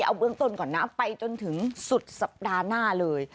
เอาเบื้องต้นก่อนนะไปจนถึงสุดสัปดาห์หน้าเลย